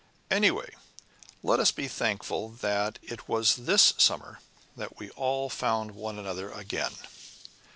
Anyway, let us be thankful that it was this summer that we all found one another again."